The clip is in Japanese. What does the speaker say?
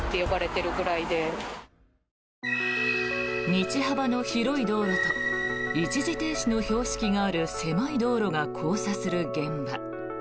道幅の広い道路と一時停止の標識がある狭い道路が交差する現場。